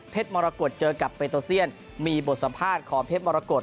มรกฏเจอกับเบโตเซียนมีบทสัมภาษณ์ของเพชรมรกฏ